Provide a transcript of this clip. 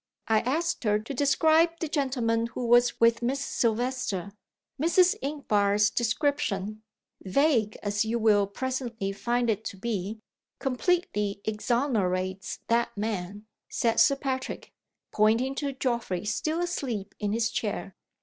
"I asked her to describe the gentleman who was with Miss Silvester. Mrs. Inchbare's description (vague as you will presently find it to be) completely exonerates that man," said Sir Patrick, pointing to Geoffrey still asleep in his chair.